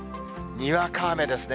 にわか雨ですね。